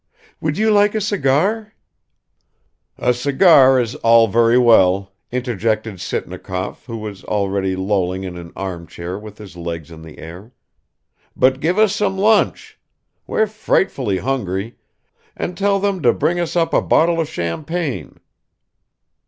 "Would you like a cigar?" "A cigar is all very well," interjected Sitnikov, who was already lolling in an armchair with his legs in the air, "but give us some lunch. We're frightfully hungry; and tell them to bring us up a little bottle of champagne."